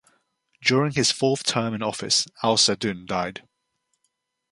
During his fourth term in office, Al-Sa'dun died.